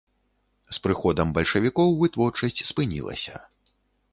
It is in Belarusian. З прыходам бальшавікоў вытворчасць спынілася.